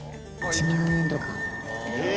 「１万円とか」え！